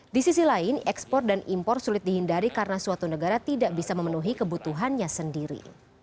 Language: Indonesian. di sisi lain ekspor dan impor sulit dihindari karena suatu negara tidak bisa memenuhi kebutuhannya sendiri